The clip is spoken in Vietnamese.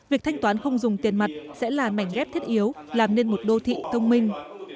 việc thanh toán không dùng tiền mặt sẽ là mảnh ghép thiết yếu làm nên một đô thị thông minh